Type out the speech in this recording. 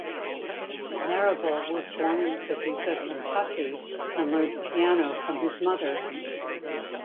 Marable was born in Paducah, Kentucky, and learned piano from his mother.